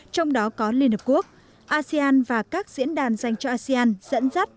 trong đó có liên hợp quốc asean và các diễn đàn dành cho asean dẫn dắt